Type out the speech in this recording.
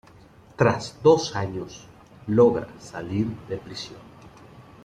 Tras dos años, logra salir de prisión.